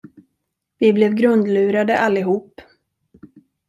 Vi blev grundlurade, allihop.